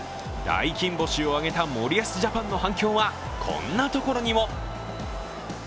大金星を挙げた森保ジャパンの反響はこんなところにも。